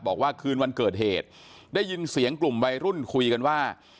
บอกว่าคืนวันเกิดเหตุได้ยินเสียงกลุ่มวัยรุ่นคุยกันว่า